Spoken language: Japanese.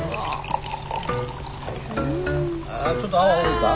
あちょっと泡多いか。